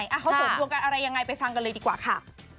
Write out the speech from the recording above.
เขาเสริมดวงกันอะไรยังไงไปฟังกันเลยดีกว่าค่ะ